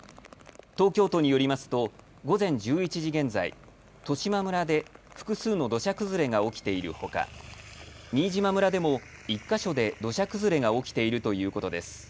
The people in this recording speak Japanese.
東京都によりますと午前１１時現在、利島村で複数の土砂崩れが起きているほか新島村でも１か所で土砂崩れが起きているということです。